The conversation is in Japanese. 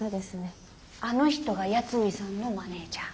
あの人が八海さんのマネージャー。